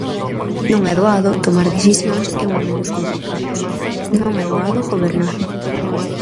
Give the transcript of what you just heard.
Non é doado tomar decisións en momentos complicados, non é doado gobernar.